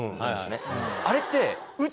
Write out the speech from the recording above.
あれって。